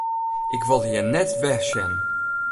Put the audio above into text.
Ik wol dy hjir net wer sjen!